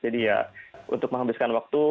jadi ya untuk menghabiskan waktu